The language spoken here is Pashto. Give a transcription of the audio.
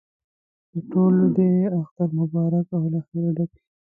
د ټولو دې اختر مبارک او له خیره ډک وي.